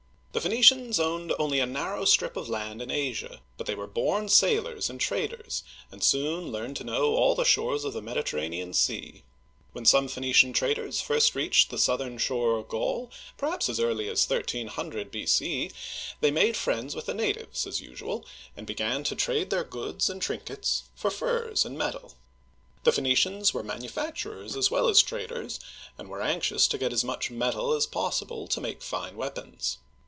The Phoenicians owned only a narrow strip of land in Asia, but they were born sailors and traders, and soon learned to know all the shores of the Mediterranean Sea. When some Phoenician traders first reached the southern shore of Gaul, perhaps as early as 1300 b.c, they made friends with the natives, as usual, and began to trade their goods and trinkets for furs and metal. The Phoenicians were manufacturers as well as traders, and were anxious to get as much metal as possible to make fine weapons.